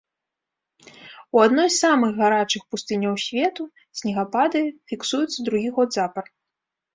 У адной з самых гарачых пустыняў свету снегапады фіксуюцца другі год запар.